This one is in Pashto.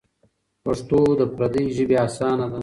پښتو له پردۍ ژبې اسانه ده.